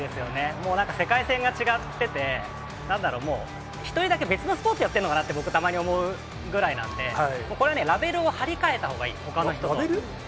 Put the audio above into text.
もうなんか、世界せんが違ってて、なんだろ、もう一人だけ別のスポーツやってるのかなって、僕、たまに思うぐらいなので、これはね、ラベルを貼り換えたほうがいい、ほかの人と。